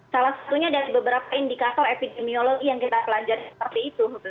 salah satunya dari beberapa indikator epidemiologi yang kita pelajari seperti itu